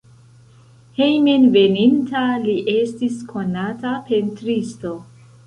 Hejmenveninta li estis konata pentristo.